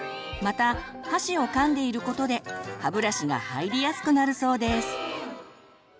また箸をかんでいることで歯ブラシが入りやすくなるそうです。